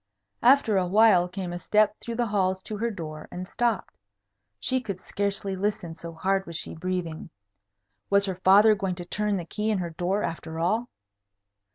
After a while came a step through the halls to her door, and stopped. She could scarcely listen, so hard she was breathing. Was her father going to turn the key in her door, after all?